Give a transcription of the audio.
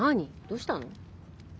どうしたの？